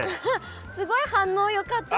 すごい反応よかったです。